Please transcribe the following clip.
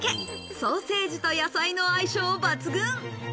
ソーセージと野菜の相性抜群。